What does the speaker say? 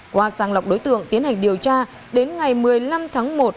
qua sàng lọc đối tượng tiến hành điều tra đến ngày một mươi năm tháng một